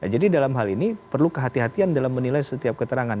jadi dalam hal ini perlu kehati hatian dalam menilai setiap keterangan